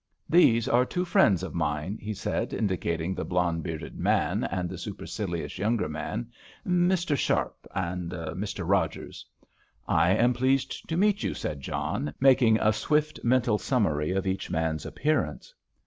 "These are two friends of mine," he said, indicating the blond bearded man and the supercilious younger man, "Mr. Sharpe and Mr. Rogers." "I am pleased to meet you," said John, making a swift mental summary of each man's appearance.